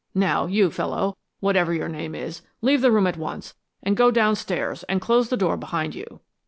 "Now, you fellow, whatever your name is, leave the room at once and go downstairs and close the door behind you."